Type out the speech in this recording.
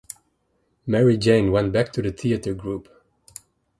Mary Jane went back to the theatre group.